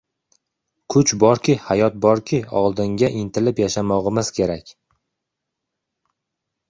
kuch borki, hayot borki, oldinga intilib yashamog‘imiz kerak.